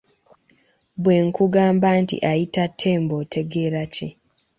Bwe nkugamba nti ayita Ttembo otegeera ki?